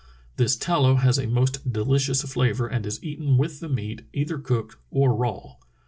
This tallow has a most delicious flavor and is eaten with the meat, either cooked or raw.